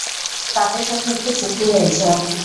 তাদের সাথে একটি চুক্তি হয়েছে।